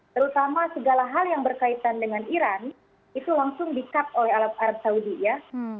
terutama segala hal yang berkaitan dengan iran itu langsung di cup oleh arab saudi ya